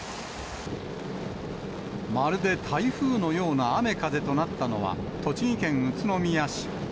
まるで台風のような雨風となったのは、栃木県宇都宮市。